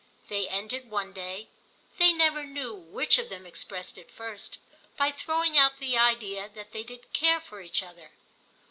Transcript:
They ended one day—they never knew which of them expressed it first—by throwing out the idea that they didn't care for each other.